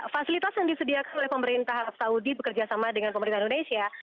fasilitas yang disediakan oleh pemerintah arab saudi bekerja sama dengan pemerintah indonesia